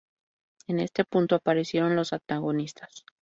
En este punto, aparecieron los antagonismos.